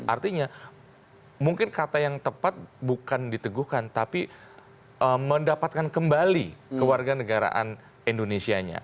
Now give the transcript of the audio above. artinya mungkin kata yang tepat bukan diteguhkan tapi mendapatkan kembali kewarganegaraan indonesia nya